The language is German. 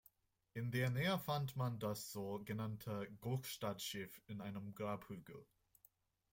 In der Nähe fand man das so genannte Gokstad-Schiff in einem Grabhügel.